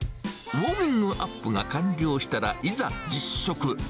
ウォーミングアップが完了したら、いざ実食。